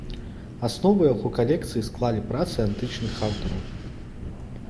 Аснову яго калекцыі склалі працы антычных аўтараў.